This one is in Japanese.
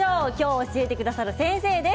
教えてくださる先生です。